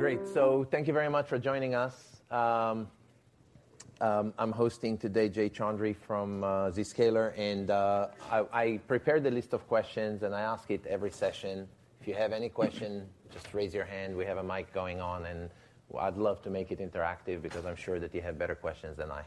Great! Thank you very much for joining us. I'm hosting today, Jay Chaudhry from Zscaler. I prepared a list of questions, and I ask it every session. If you have any question, just raise your hand. We have a mic going on, and I'd love to make it interactive because I'm sure that you have better questions than I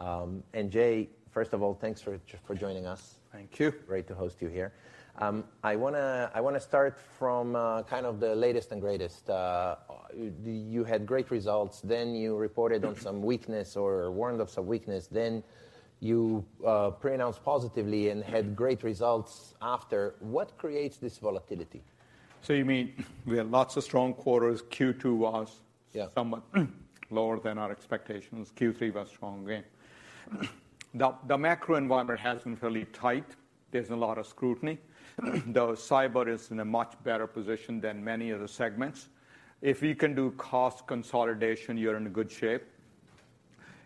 have. Jay, first of all, thanks for joining us. Thank you. Great to host you here. I wanna start from, kind of the latest and greatest. You had great results, then you reported on some weakness or warned of some weakness, then you pronounced positively and had great results after. What creates this volatility? you mean, we had lots of strong quarters. Q2 was- Yeah somewhat, lower than our expectations. Q3 was stronger. The macro environment has been really tight. There's a lot of scrutiny, though cyber is in a much better position than many other segments. If you can do cost consolidation, you're in a good shape.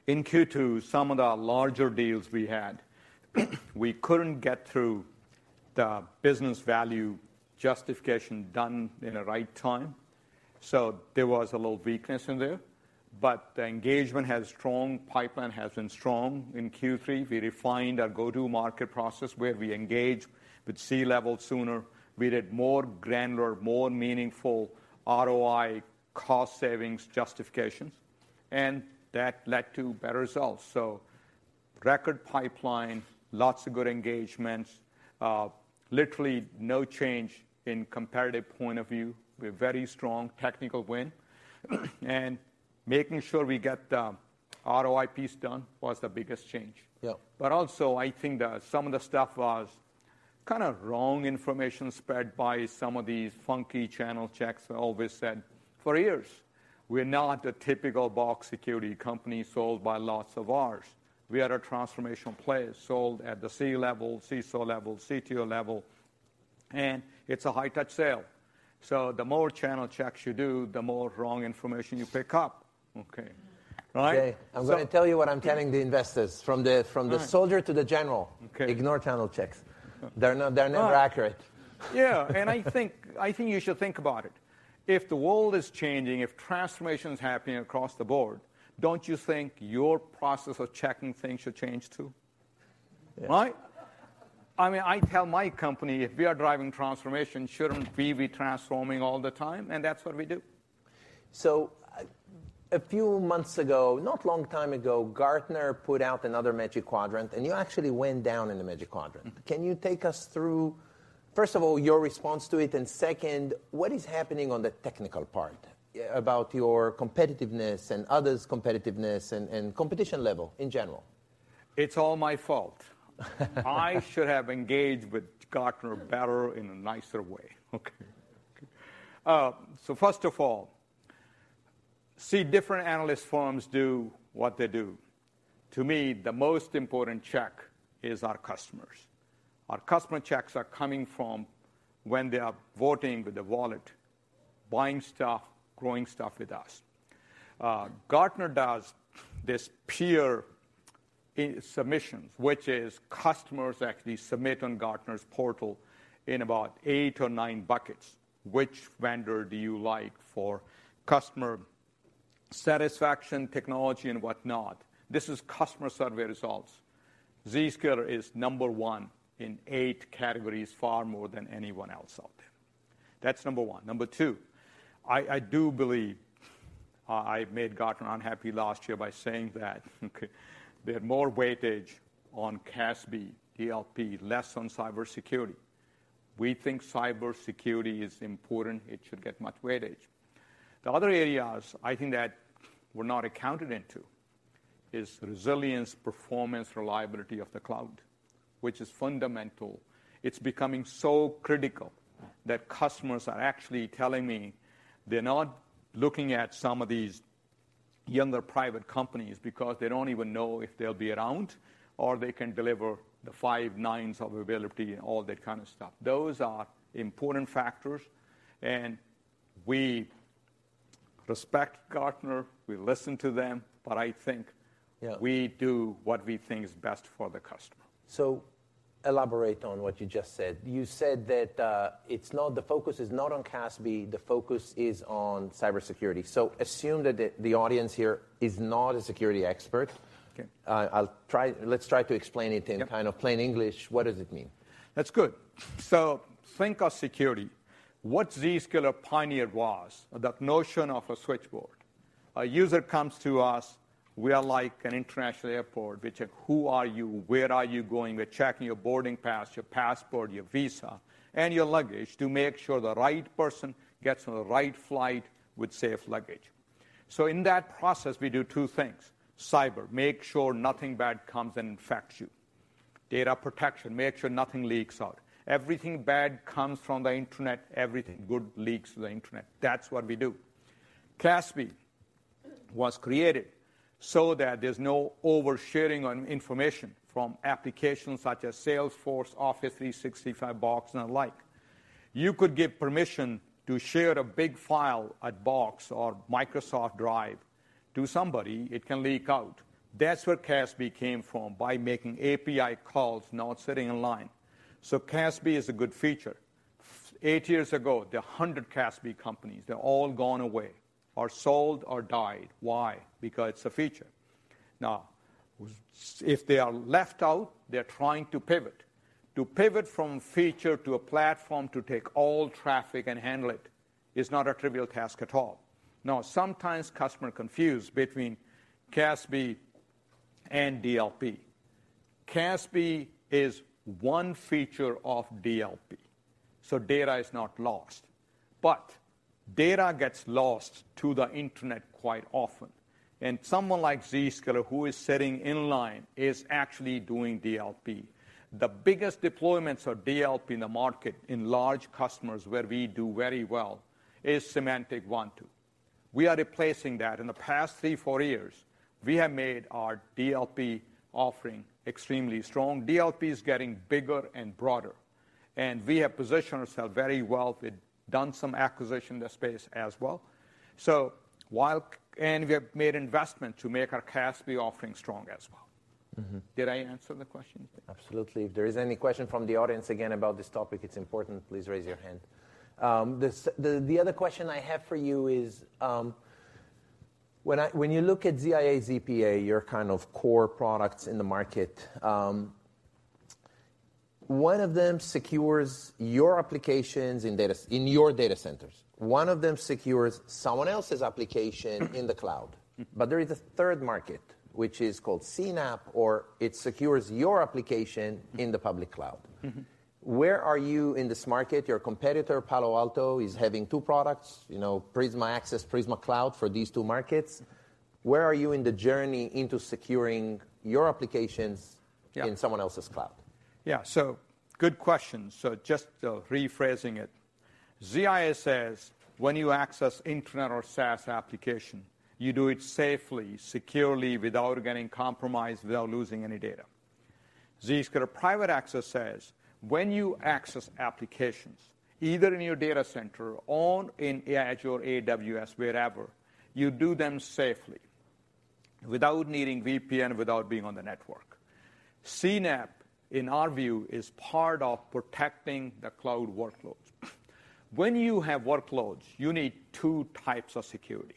In Q2, some of the larger deals we had, we couldn't get through the business value justification done in the right time, so there was a little weakness in there, but the engagement has strong, pipeline has been strong in Q3. We refined our go-to-market process, where we engage with C-level sooner. We did more granular, more meaningful ROI, cost savings justifications, and that led to better results. Record pipeline, lots of good engagements, literally no change in competitive point of view. We have very strong technical win, and making sure we get the ROI piece done was the biggest change. Yeah. Also, I think that some of the stuff was kinda wrong information spread by some of these funky channel checks always said, for years, we're not a typical box security company sold by lots of ours. We are a transformational player, sold at the C level, CISO level, CTO level, and it's a high-touch sale. The more channel checks you do, the more wrong information you pick up. Okay. Right? Jay, I'm gonna tell you what I'm telling the investors. Right from the soldier to the general. Okay. Ignore channel checks. They're never accurate. Yeah, I think you should think about it. If the world is changing, if transformation is happening across the board, don't you think your process of checking things should change, too? Yeah. Right? I mean, I tell my company, if we are driving transformation, shouldn't we be transforming all the time? That's what we do. a few months ago, not long time ago, Gartner put out another Magic Quadrant, and you actually went down in the Magic Quadrant. Can you take us through, first of all, your response to it, and second, what is happening on the technical part, about your competitiveness and others' competitiveness and competition level in general? It's all my fault. I should have engaged with Gartner better in a nicer way. Okay. First of all, see, different analyst firms do what they do. To me, the most important check is our customers. Our customer checks are coming from when they are voting with the wallet, buying stuff, growing stuff with us. Gartner does this peer submissions, which is customers actually submit on Gartner's portal in about eight or nine buckets, which vendor do you like for customer satisfaction, technology, and whatnot. This is customer survey results. Zscaler is number one in eight categories, far more than anyone else out there. That's number one. Number two, I do believe I made Gartner unhappy last year by saying that, okay, they had more weightage on CASB, DLP, less on cybersecurity. We think cybersecurity is important. It should get much weightage. The other areas I think that were not accounted into is resilience, performance, reliability of the cloud, which is fundamental. It's becoming so critical that customers are actually telling me they're not looking at some of these younger private companies because they don't even know if they'll be around, or they can deliver the five nines of availability and all that kind of stuff. Those are important factors, we respect Gartner, we listen to them. Yeah... we do what we think is best for the customer. Elaborate on what you just said. You said that the focus is not on CASB. The focus is on cybersecurity. Assume that the audience here is not a security expert. Okay. I'll try... Let's try to explain. Yep in kind of plain English. What does it mean? That's good. Think of security. What Zscaler pioneered was the notion of a switchboard. A user comes to us, we are like an international airport. We check, who are you, where are you going? We're checking your boarding pass, your passport, your visa, and your luggage to make sure the right person gets on the right flight with safe luggage. In that process, we do two things: cyber, make sure nothing bad comes and infects you; data protection, make sure nothing leaks out. Everything bad comes from the internet, everything good leaks to the internet. That's what we do. CASB was created so that there's no oversharing on information from applications such as Salesforce, Office 365, Box, and the like. You could give permission to share a big file at Box or OneDrive to somebody, it can leak out. That's where CASB came from, by making API calls, not sitting in line. CASB is a good feature. Eight years ago, there were 100 CASB companies. They're all gone away, or sold, or died. Why? It's a feature. If they are left out, they're trying to pivot. To pivot from feature to a platform to take all traffic and handle it, is not a trivial task at all. Sometimes customer confuse between CASB and DLP. CASB is one feature of DLP, data is not lost. Data gets lost to the internet quite often, and someone like Zscaler, who is sitting in line, is actually doing DLP. The biggest deployments of DLP in the market, in large customers, where we do very well, is Symantec one, two. We are replacing that. In the past three, four years, we have made our DLP offering extremely strong. DLP is getting bigger and broader, and we have positioned ourselves very well. We've done some acquisition in the space as well. We have made investment to make our CASB offering strong as well. Did I answer the question? Absolutely. If there is any question from the audience, again, about this topic, it's important, please raise your hand. The other question I have for you is, when you look at ZIA, ZPA, your kind of core products in the market, one of them secures your applications in your data centers. One of them secures someone else's application in the cloud. There is a third market, which is called CNAPP, or it secures your application in the public cloud. Where are you in this market? Your competitor, Palo Alto, is having two products, you know, Prisma Access, Prisma Cloud, for these two markets. Where are you in the journey into securing your applications? Yeah in someone else's cloud? Good question. Just rephrasing it. ZIA says, when you access internet or SaaS application, you do it safely, securely, without getting compromised, without losing any data. Zscaler Private Access says, when you access applications, either in your data center or in Azure, AWS, wherever, you do them safely, without needing VPN, without being on the network. CNAPP, in our view, is part of protecting the cloud workloads. When you have workloads, you need two types of security.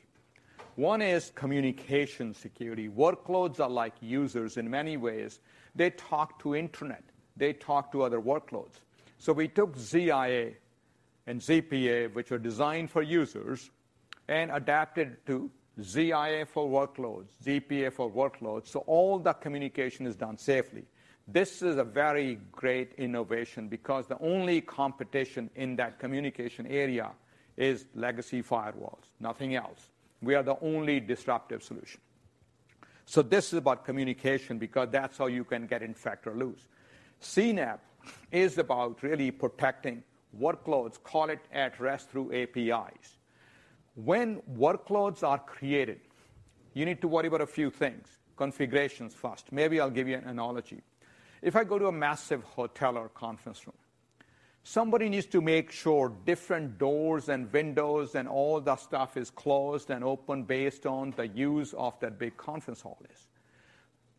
One is communication security. Workloads are like users in many ways. They talk to internet, they talk to other workloads. We took ZIA and ZPA, which are designed for users, and adapted to ZIA for workloads, ZPA for workloads, so all the communication is done safely. This is a very great innovation because the only competition in that communication area is legacy firewalls, nothing else. We are the only disruptive solution. This is about communication because that's how you can get infected or lose. CNAPP is about really protecting workloads, call it at rest, through APIs. When workloads are created, you need to worry about a few things, configurations first. Maybe I'll give you an analogy. If I go to a massive hotel or conference room, somebody needs to make sure different doors and windows and all the stuff is closed and open based on the use of that big conference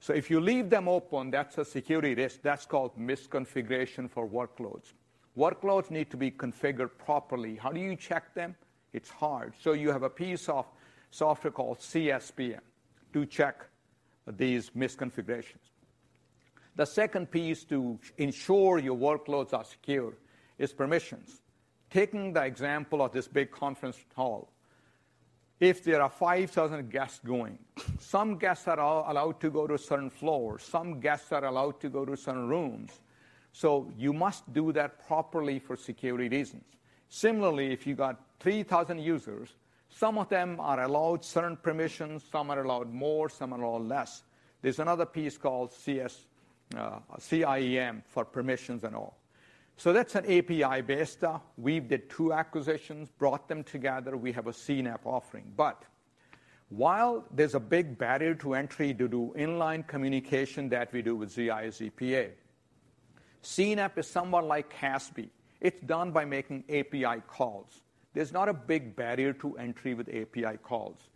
halls. If you leave them open, that's a security risk. That's called misconfiguration for workloads. Workloads need to be configured properly. How do you check them? It's hard. You have a piece of software called CSPM to check these misconfigurations. The second piece to ensure your workloads are secure is permissions. Taking the example of this big conference hall, if there are 5,000 guests going, some guests are allowed to go to certain floors, some guests are allowed to go to certain rooms. You must do that properly for security reasons. Similarly, if you got 3,000 users, some of them are allowed certain permissions, some are allowed more, some are allowed less. There's another piece called CIEM, for permissions and all. That's an API-based. We did two acquisitions, brought them together, we have a CNAPP offering. While there's a big barrier to entry to do inline communication that we do with ZIA, ZPA, CNAPP is somewhat like CASB. It's done by making API calls. There's not a big barrier to entry with API calls.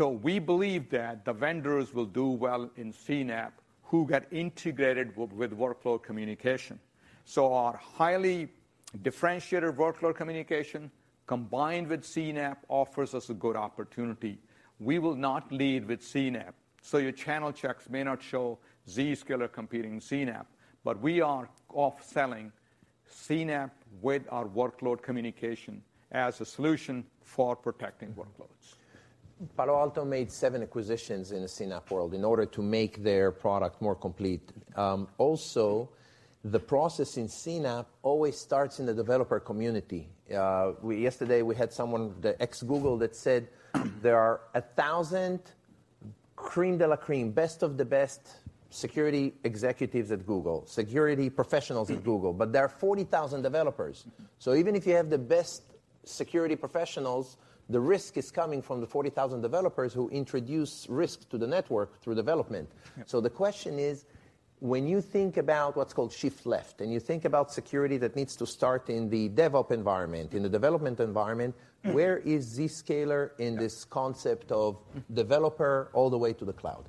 We believe that the vendors will do well in CNAPP, who get integrated with workload communication. Our highly differentiated workload communication, combined with CNAPP, offers us a good opportunity. We will not lead with CNAPP, so your channel checks may not show Zscaler competing with CNAPP, but we are off selling CNAPP with our workload communication as a solution for protecting workloads. Palo Alto made seven acquisitions in the CNAPP world in order to make their product more complete. The process in CNAPP always starts in the developer community. We, yesterday, we had someone, the ex-Google, that said, "There are 1,000 crème de la crème, best of the best security executives at Google, security professionals at Google, but there are 40,000 developers." Even if you have the best security professionals, the risk is coming from the 40,000 developers who introduce risk to the network through development. Yeah. The question is, when you think about what's called shift left, and you think about security that needs to start in the DevOps environment, in the development environment, Mm-hmm. Where is Zscaler in this concept of developer all the way to the cloud?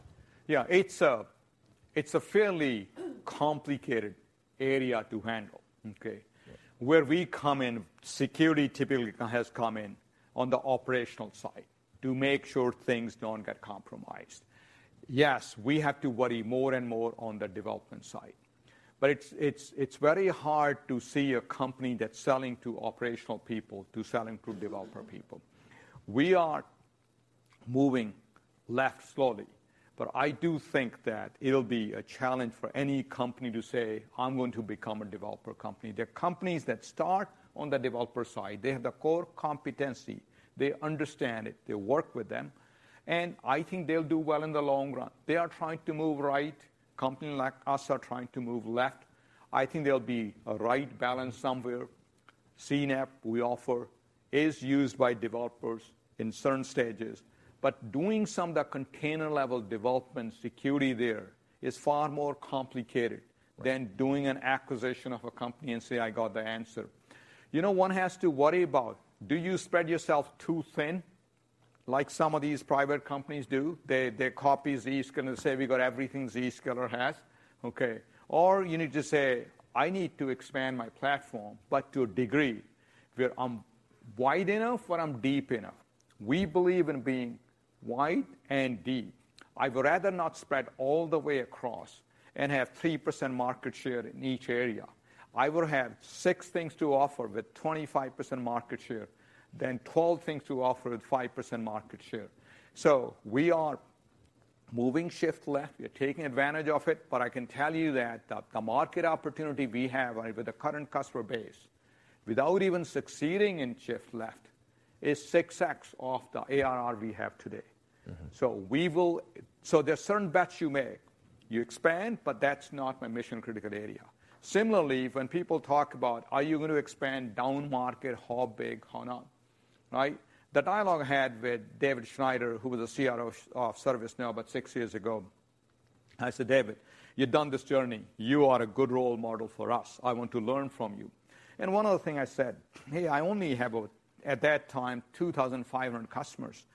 Yeah, it's a fairly complicated area to handle, okay? Yeah. Where we come in, security typically has come in on the operational side to make sure things don't get compromised. Yes, we have to worry more and more on the development side. It's very hard to see a company that's selling to operational people to selling to developer people. We are moving left slowly. I do think that it'll be a challenge for any company to say, "I'm going to become a developer company." There are companies that start on the developer side. They have the core competency, they understand it, they work with them, and I think they'll do well in the long run. They are trying to move right, company like us are trying to move left. I think there'll be a right balance somewhere. CNAPP, we offer, is used by developers in certain stages, but doing some of the container-level development security there is far more complicated. Right... than doing an acquisition of a company and say, "I got the answer." You know, one has to worry about, do you spread yourself too thin, like some of these private companies do? They copy Zscaler and say, "We got everything Zscaler has." Okay. Or you need to say, "I need to expand my platform, but to a degree where I'm wide enough, but I'm deep enough." We believe in being wide and deep. I'd rather not spread all the way across and have 3% market share in each area. I would have six things to offer with 25% market share than 12 things to offer with 5% market share. We are moving shift left. We are taking advantage of it, but I can tell you that the market opportunity we have with the current customer base, without even succeeding in shift left, is 6x of the ARR we have today. There are certain bets you make. You expand, but that's not my mission-critical area. Similarly, when people talk about: Are you going to expand down market? How big, how not, right? The dialogue I had with David Schneider, who was a CRO of ServiceNow about six years ago, I said, "David, you've done this journey. You are a good role model for us. I want to learn from you." One of the things I said, "Hey, I only have," at that time, "2,500 customers."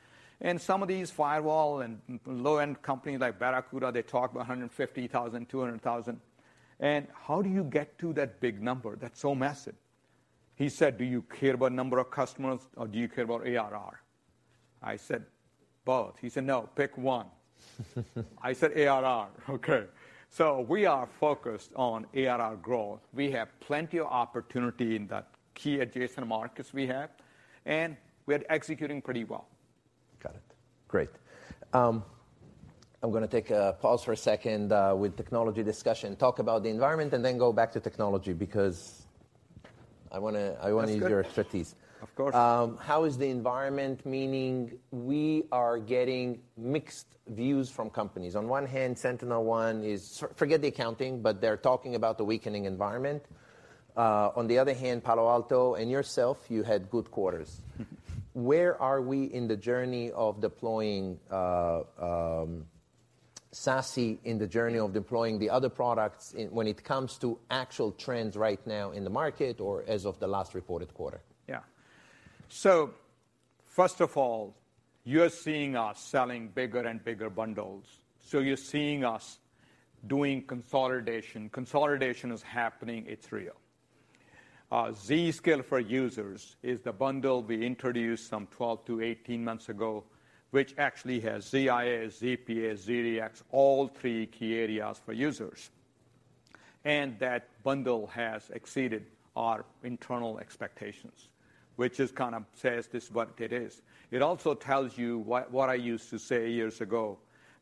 Some of these firewall and low-end companies like Barracuda, they talk about 150,000, 200,000. How do you get to that big number that's so massive? He said, "Do you care about number of customers, or do you care about ARR?" I said, "Both." He said, "No, pick one." I said, "ARR." We are focused on ARR growth. We have plenty of opportunity in the key adjacent markets we have, and we're executing pretty well. Got it. Great. I'm gonna take a pause for a second with technology discussion, talk about the environment, and then go back to technology because I wanna hear. That's good. -your strategies. Of course. How is the environment? Meaning, we are getting mixed views from companies. On one hand, forget the accounting, but they're talking about the weakening environment. On the other hand, Palo Alto and yourself, you had good quarters. Where are we in the journey of deploying SASE, in the journey of deploying the other products in, when it comes to actual trends right now in the market or as of the last reported quarter? Yeah. First of all, you're seeing us selling bigger and bigger bundles. You're seeing us doing consolidation. Consolidation is happening. It's real. Zscaler for Users is the bundle we introduced some 12 to 18 months ago, which actually has ZIA, ZPA, ZDX, all three key areas for users, and that bundle has exceeded our internal expectations, which is kinda says this is what it is. It also tells you what I used to say years ago,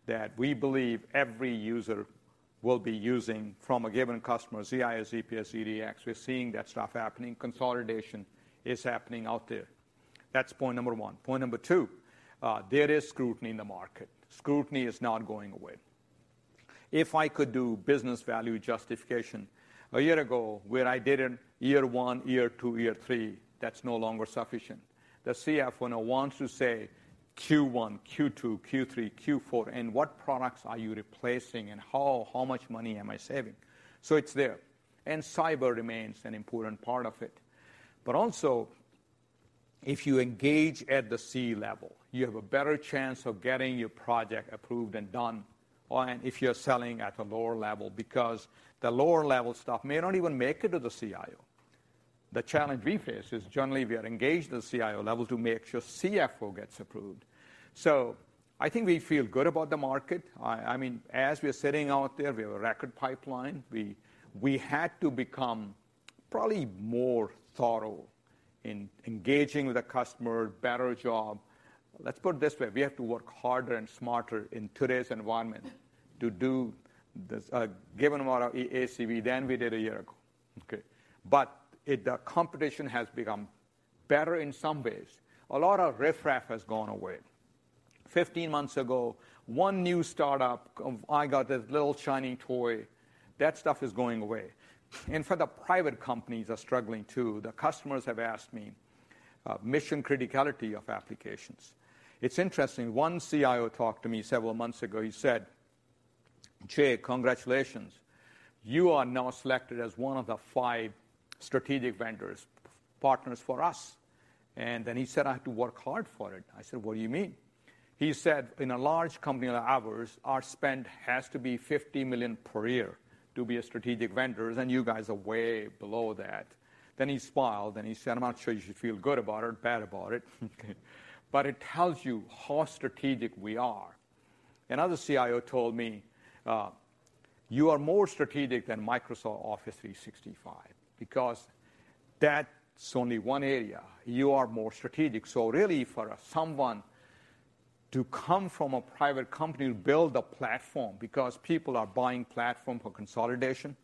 that we believe every user will be using from a given customer, ZIA, ZPA, ZDX. We're seeing that stuff happening. Consolidation is happening out there. That's point number one. Point number two, there is scrutiny in the market. Scrutiny is not going away. If I could do business value justification a year ago, where I did it year one, year two, year three, that's no longer sufficient. The CFO now wants to say Q1, Q2, Q3, Q4, and what products are you replacing and how much money am I saving? It's there, and cyber remains an important part of it. Also, if you engage at the C level, you have a better chance of getting your project approved and done, or and if you're selling at a lower level, because the lower-level stuff may not even make it to the CIO. The challenge we face is generally we are engaged at the CIO level to make sure CFO gets approved. I think we feel good about the market. I mean, as we are sitting out there, we have a record pipeline. We had to become probably more thorough in engaging with the customer, better job. Let's put it this way: We have to work harder and smarter in today's environment to do this, a given amount of ACV than we did a year ago. Okay, the competition has become better in some ways. A lot of riffraff has gone away. 15 months ago, one new startup of, "I got this little shiny toy," that stuff is going away. For the private companies are struggling, too. The customers have asked mission criticality of applications. It's interesting, one CIO talked to me several months ago, he said, "Jay, congratulations. You are now selected as one of the five strategic vendors, partners for us." He said, "I had to work hard for it." I said, "What do you mean?" He said, "In a large company like ours, our spend has to be $50 million per year to be a strategic vendor, and you guys are way below that." He smiled, and he said, "I'm not sure you should feel good about it or bad about it, but it tells you how strategic we are." Another CIO told me, "You are more strategic than Microsoft 365, because that's only one area. You are more strategic." Really, for someone to come from a private company to build a platform, because people are buying platform for consolidation,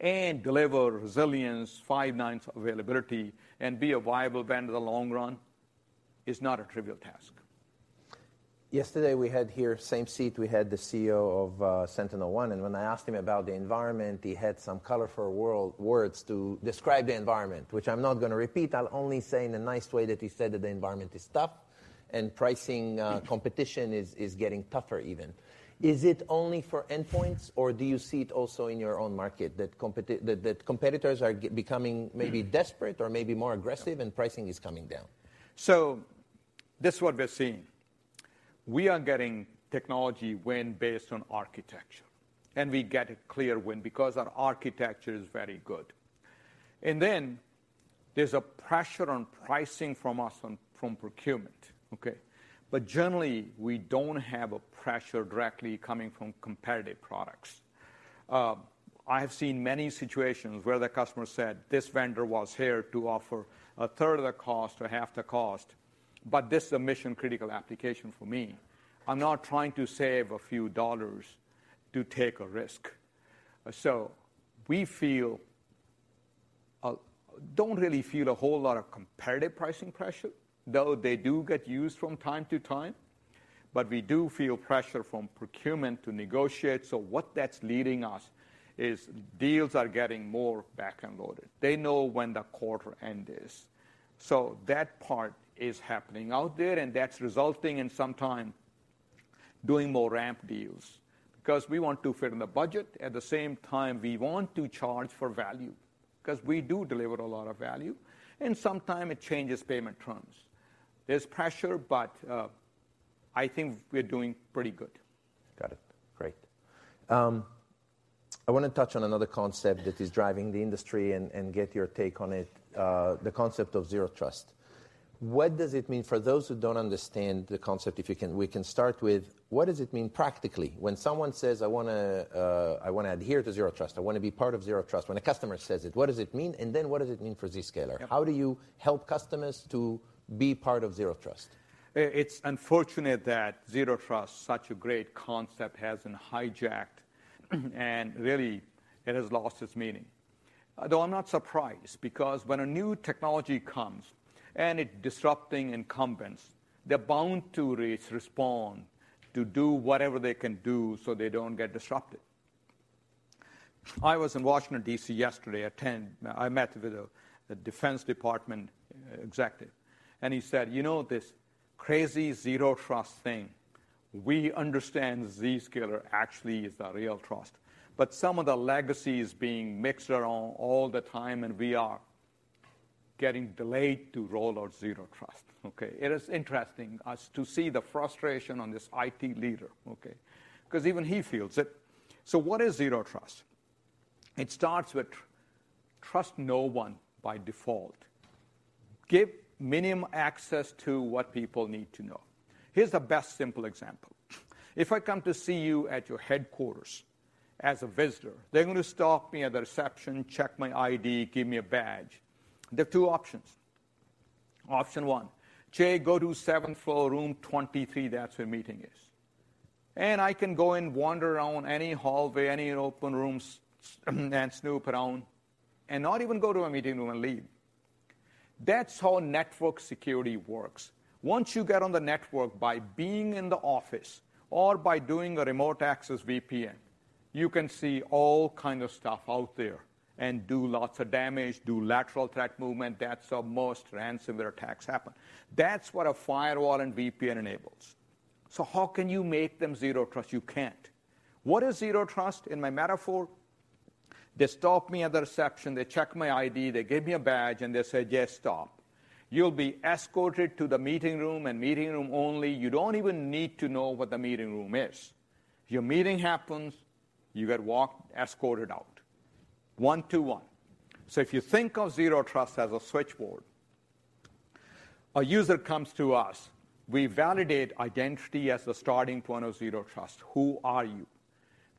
and deliver resilience, five nines availability, and be a viable vendor in the long run, is not a trivial task. Yesterday, we had here, same seat, we had the CEO of SentinelOne, when I asked him about the environment, he had some colorful words to describe the environment, which I'm not gonna repeat. I'll only say in a nice way that he said that the environment is tough, and pricing competition is getting tougher even. Is it only for endpoints, or do you see it also in your own market, that competitors are becoming maybe desperate or maybe more aggressive, and pricing is coming down? This is what we're seeing. We are getting technology win based on architecture, and we get a clear win because our architecture is very good. There's a pressure on pricing from us from procurement. Okay? Generally, we don't have a pressure directly coming from competitive products. I have seen many situations where the customer said, "This vendor was here to offer a third of the cost or half the cost, but this is a mission-critical application for me. I'm not trying to save a few dollars to take a risk." We feel don't really feel a whole lot of competitive pricing pressure, though they do get used from time to time, but we do feel pressure from procurement to negotiate. What that's leading us is deals are getting more back-end loaded. They know when the quarter end is. That part is happening out there, and that's resulting in sometimes doing more ramp deals. We want to fit in the budget, at the same time, we want to charge for value, 'cause we do deliver a lot of value, and sometimes it changes payment terms. There's pressure. I think we're doing pretty good. Got it. Great. I wanna touch on another concept that is driving the industry and get your take on it, the concept of zero trust. What does it mean? For those who don't understand the concept, if you can, we can start with, what does it mean practically? When someone says, "I wanna adhere to zero trust, I wanna be part of zero trust." When a customer says it, what does it mean? Then what does it mean for Zscaler? Yep. How do you help customers to be part of zero trust? It's unfortunate that Zero Trust, such a great concept, has been hijacked, and really, it has lost its meaning. I'm not surprised, because when a new technology comes, and it's disrupting incumbents, they're bound to respond, to do whatever they can do, so they don't get disrupted. I was in Washington, D.C., yesterday. I met with the Defense Department executive, he said, "You know, this crazy Zero Trust thing, we understand Zscaler actually is the real trust, some of the legacy is being mixed around all the time, we are getting delayed to roll out Zero Trust." It is interesting as to see the frustration on this IT leader. Even he feels it. What is Zero Trust? It starts with trust no one by default. Give minimum access to what people need to know. Here's the best simple example. If I come to see you at your headquarters as a visitor, they're gonna stop me at the reception, check my ID, give me a badge. There are two options. Option one, "Jay, go to seventh floor, room 23. That's where meeting is." I can go and wander around any hallway, any open rooms, and snoop around, and not even go to a meeting room and leave. That's how network security works. Once you get on the network by being in the office or by doing a remote access VPN, you can see all kind of stuff out there and do lots of damage, do lateral movement. That's how most ransomware attacks happen. That's what a firewall and VPN enables. How can you make them zero trust? You can't. What is zero trust in my metaphor? They stop me at the reception, they check my ID, they give me a badge, and they say, "Yes, stop. You'll be escorted to the meeting room and meeting room only. You don't even need to know what the meeting room is. Your meeting happens, you get walked, escorted out." One to one. If you think of zero trust as a switchboard, a user comes to us, we validate identity as the starting point of zero trust. Who are you?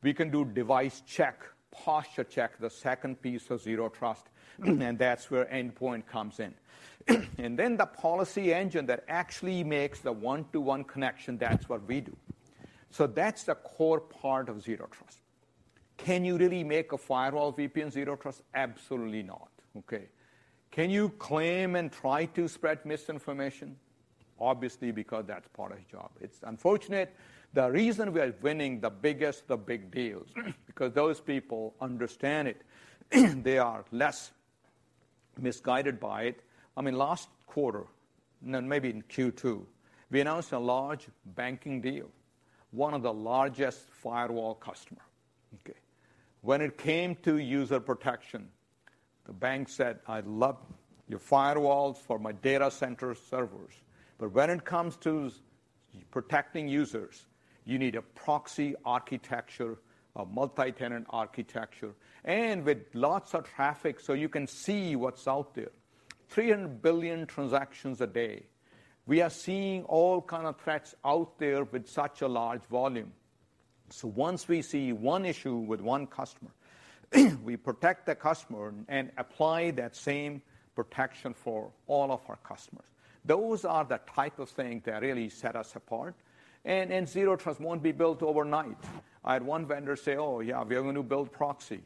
We can do device check, posture check, the second piece of zero trust, that's where endpoint comes in. Then the policy engine that actually makes the one-to-one connection, that's what we do. That's the core part of zero trust. Can you really make a firewall VPN zero trust? Absolutely not. Can you claim and try to spread misinformation?... obviously, because that's part of his job. It's unfortunate. The reason we are winning the biggest, the big deals, because those people understand it. They are less misguided by it. I mean, last quarter, no, maybe in Q2, we announced a large banking deal, one of the largest firewall customer. Okay. When it came to user protection, the bank said, "I love your firewalls for my data center servers, but when it comes to protecting users, you need a proxy architecture, a multi-tenant architecture, and with lots of traffic so you can see what's out there." 300 billion transactions a day, we are seeing all kind of threats out there with such a large volume. Once we see one issue with one customer, we protect the customer and apply that same protection for all of our customers. Those are the type of things that really set us apart, and zero trust won't be built overnight. I had one vendor say: "Oh, yeah, we are going to build proxy."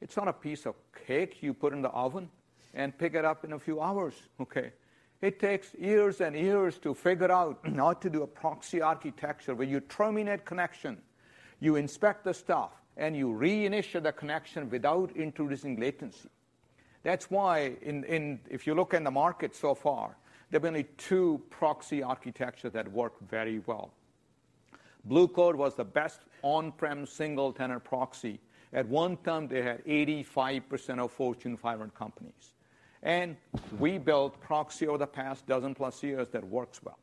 It's not a piece of cake you put in the oven and pick it up in a few hours, okay? It takes years and years to figure out how to do a proxy architecture, where you terminate connection, you inspect the stuff, and you reinitiate the connection without introducing latency. That's why if you look in the market so far, there are only two proxy architecture that work very well. Blue Coat was the best on-prem single-tenant proxy. At one time, they had 85% of Fortune 500 companies, and we built proxy over the past dozen-plus years that works well.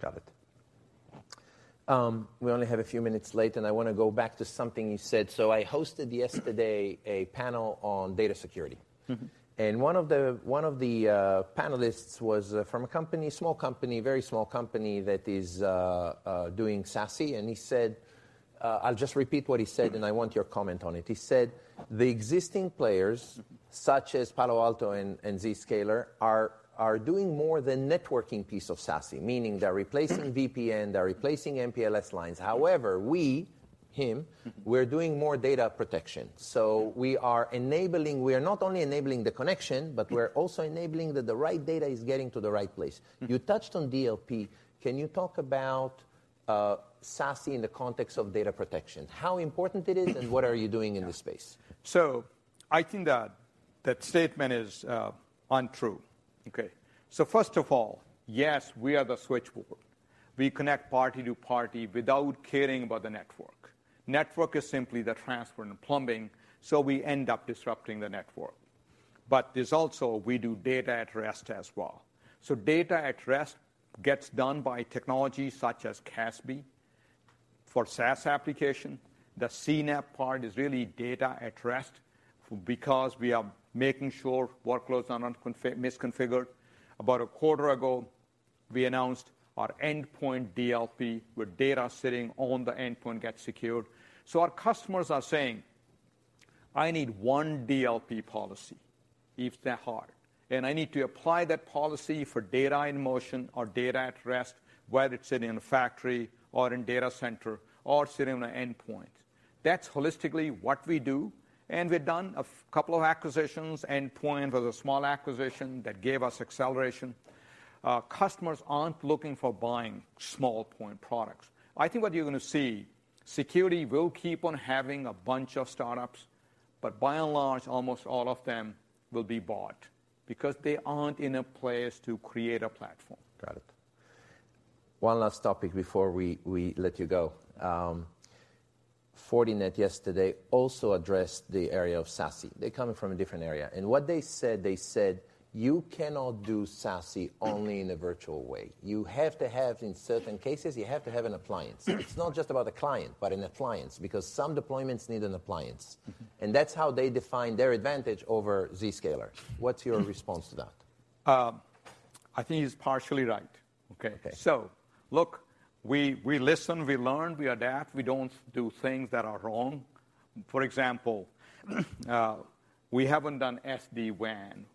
Got it. We only have a few minutes left, and I want to go back to something you said. I hosted yesterday a panel on data security. One of the panelists was from a company, small company, very small company, that is doing SASE, and he said, I'll just repeat what he said, and I want your comment on it. He said, "The existing players, such as Palo Alto and Zscaler, are doing more than networking piece of SASE, meaning they're replacing VPN, they're replacing MPLS lines. However, we," him, "we're doing more data protection. We are not only enabling the connection, but we're also enabling that the right data is getting to the right place. You touched on DLP. Can you talk about SASE in the context of data protection, how important it is, and what are you doing in this space? I think that that statement is untrue. Okay, first of all, yes, we are the switchboard. We connect party to party without caring about the network. Network is simply the transfer and the plumbing, so we end up disrupting the network. There's also, we do data at rest as well. Data at rest gets done by technology such as CASB. For SaaS application, the CNAPP part is really data at rest because we are making sure workloads are not misconfigured. About a quarter ago, we announced our endpoint DLP, where data sitting on the endpoint gets secured. Our customers are saying, "I need one DLP policy. It's that hard. I need to apply that policy for data in motion or data at rest, whether it's sitting in a factory or in data center or sitting on an endpoint. That's holistically what we do, and we've done a couple of acquisitions. endpoint was a small acquisition that gave us acceleration. Our customers aren't looking for buying small point products. I think what you're going to see, security will keep on having a bunch of startups, but by and large, almost all of them will be bought because they aren't in a place to create a platform. Got it. One last topic before we let you go. Fortinet yesterday also addressed the area of SASE. They're coming from a different area, and what they said, they said, "You cannot do SASE only in a virtual way. You have to have, in certain cases, an appliance. It's not just about a client, but an appliance, because some deployments need an appliance," and that's how they define their advantage over Zscaler. What's your response to that? I think it's partially right. Okay. Look, we listen, we learn, we adapt. We don't do things that are wrong. For example, we haven't done SD-WAN.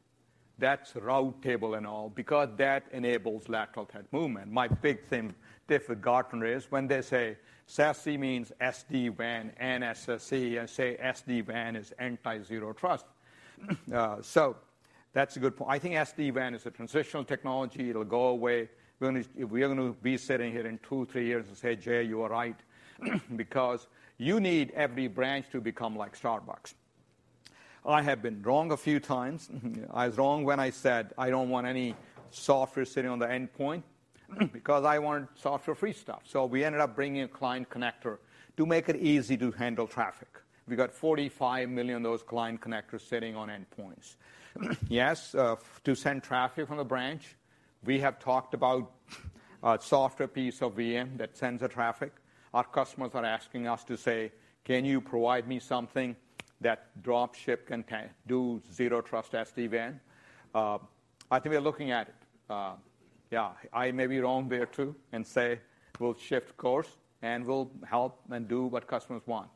That's route table and all, because that enables lateral movement. My big thing, diff with Gartner is, when they say SASE means SD-WAN and SSE, and say SD-WAN is anti-zero trust. That's a good point. I think SD-WAN is a transitional technology. It'll go away. We are gonna be sitting here in two, three years and say, "Jay, you were right, because you need every branch to become like Starbucks." I have been wrong a few times. I was wrong when I said, "I don't want any software sitting on the endpoint, because I wanted software-free stuff." We ended up bringing a Client Connector to make it easy to handle traffic. We got 45 million of those Client Connectors sitting on endpoints. Yes, to send traffic from the branch, we have talked about a software piece of VM that sends the traffic. Our customers are asking us to say, "Can you provide me something that drop ship can do Zero Trust SD-WAN?" I think we're looking at it. Yeah, I may be wrong there, too, and say, we'll shift course, and we'll help and do what customers want.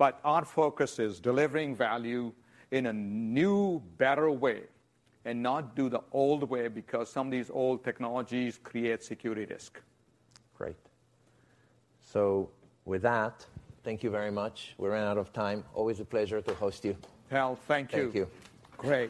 Our focus is delivering value in a new, better way and not do the old way because some of these old technologies create security risk. Great. With that, thank you very much. We ran out of time. Always a pleasure to host you. Hal, thank you. Thank you. Great!